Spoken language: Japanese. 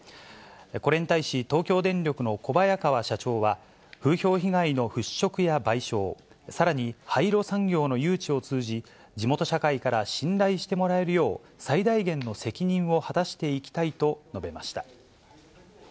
これに対し、東京電力の小早川社長は、風評被害の払拭や賠償、さらに廃炉産業の誘致を通じ、地元社会から信頼してもらえるよう、最大限の責任を果たしていきたいと述べました。